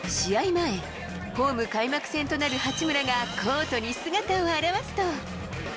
前、ホーム開幕戦となる八村がコートに姿を現すと。